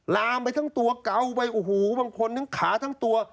ลามไปทั้งตัวเกาไปบางคนนึงขาทั้งตัว